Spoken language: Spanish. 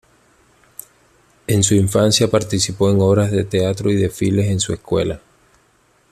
En su infancia participó en obras de teatro y desfiles en su escuela.